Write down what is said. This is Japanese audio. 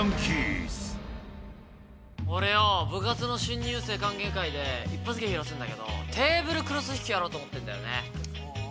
俺よ部活の新入生歓迎会で一発芸披露すんだけどテーブルクロス引きやろうと思ってんだよね。